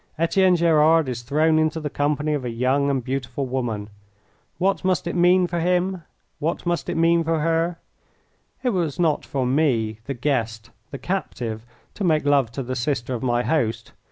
Etienne Gerard is thrown into the company of a young and beautiful woman. What must it mean for him? What must it mean for her? It was not for me, the guest, the captive, to make love to the sister of my host.